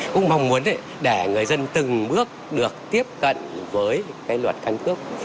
cũng mong muốn để người dân từng bước được tiếp cận với cái luật căn cước